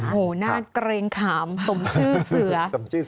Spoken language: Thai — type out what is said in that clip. หัวหน้าเกรงขามสมชื่อเสือ